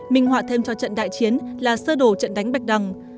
minh họa thêm cho trận đại chiến là sơ đồ trận đánh bạch đằng